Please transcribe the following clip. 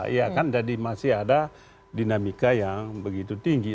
iya kan jadi masih ada dinamika yang begitu tinggi